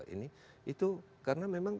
ini itu karena memang